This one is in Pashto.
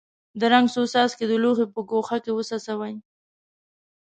د رنګ څو څاڅکي د لوښي په ګوښه کې وڅڅوئ.